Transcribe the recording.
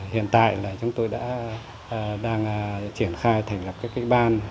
hiện tại là chúng tôi đã đang triển khai thành lập các cái ban